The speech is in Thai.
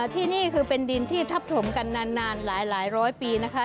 ที่นี่คือเป็นดินที่ทับถมกันนานหลายร้อยปีนะคะ